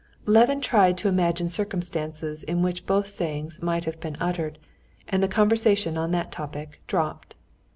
Levin tried to imagine circumstances in which both sayings might have been uttered, and the conversation on that topic dropped.